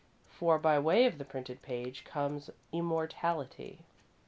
For by way of the printed page comes Immortality.